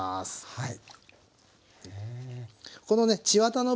はい。